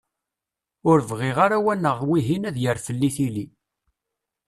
Ur bɣiɣ ara wa neɣ wihin ad d-yerr fell-i tili.